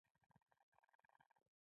ګرد سره يې شهيدان کړي دي.